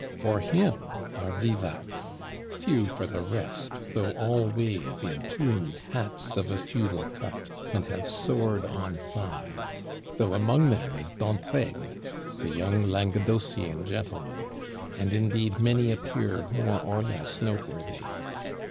For him are vivats; few for the rest, though all wave in plumed "hats of a feudal cut," and have sword on thigh; though among them is D'Antraigues, the young Languedocian gentleman, and indeed many a peer more or less noteworthy.